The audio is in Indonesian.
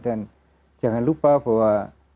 dan jangan lupa bahwa